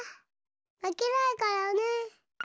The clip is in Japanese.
まけないからね！